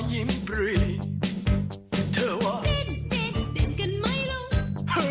ดินดินดินกันไม่ลง